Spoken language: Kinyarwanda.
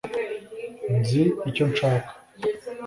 nzi icyo nshaka…”